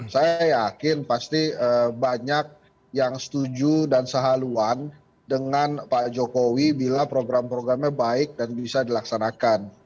saya yakin pasti banyak yang setuju dan sehaluan dengan pak jokowi bila program programnya baik dan bisa dilaksanakan